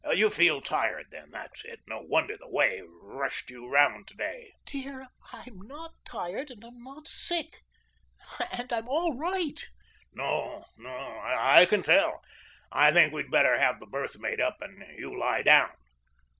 "You feel tired, then. That's it. No wonder, the way rushed you 'round to day." "Dear, I'm NOT tired, and I'm NOT sick, and I'm all RIGHT." "No, no; I can tell. I think we'd best have the berth made up and you lie down."